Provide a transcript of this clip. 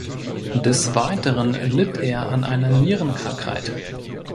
Des Weiteren litt er an einer Nierenkrankheit.